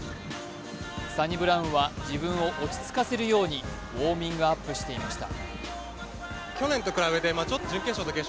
サニブラウンは自分を落ち着かせるようにウォーミングアップしていました。